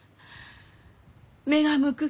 目が向くき